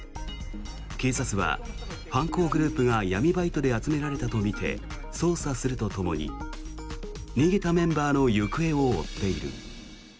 警察は、犯行グループが闇バイトで集められたとみて捜査するとともに逃げたメンバーの行方を追っている。